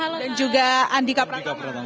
dan juga andika pratama